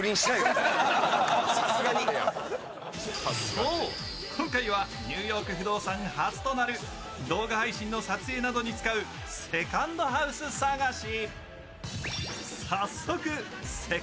そう、今回は「ニューヨーク不動産」初となる動画配信の撮影などに使うセカンドハウス探し。